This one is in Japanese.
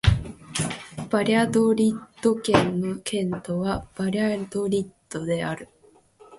バリャドリッド県の県都はバリャドリッドである